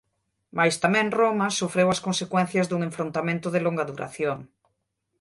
Mais tamén Roma sofreu as consecuencias dun enfrontamento de longa duración.